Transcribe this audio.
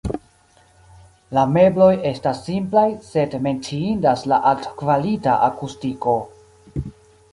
La mebloj estas simplaj, sed menciindas la altkvalita akustiko.